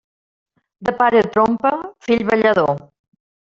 De pare trompa, fill ballador.